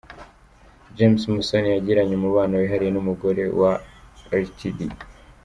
James Musoni yagiranye umubano wihariye n’ umugore wa Rtd.